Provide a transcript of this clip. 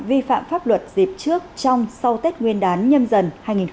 vi phạm pháp luật dịp trước trong sau tết nguyên đán nhâm dần hai nghìn hai mươi bốn